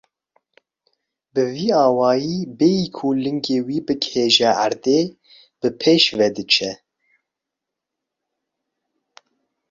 Bi vî awayî bêyî ku lingê wî bigihîje erdê, bi pêş ve diçe.